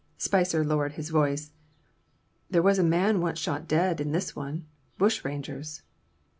Spicer lowered his voice. "There was a man once shot dead in this one. Bushrangers!"